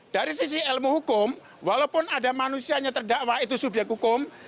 dari sisi ilmu hukum walaupun ada manusianya terdakwa itu subyek hukum